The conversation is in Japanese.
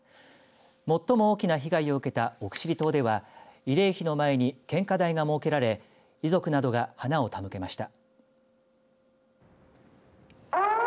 最も大きな被害を受けた奥尻島では慰霊碑の前に献花台が設けられ遺族などが花を手向けました。